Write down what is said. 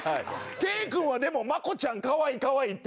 圭君はでも真子ちゃんかわいいかわいいって。